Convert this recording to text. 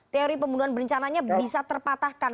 teori pembunuhan berencananya bisa terpatahkan